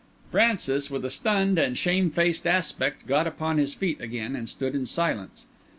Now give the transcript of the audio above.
Francis, with a stunned and shamefaced aspect, got upon his feet again, and stood in silence.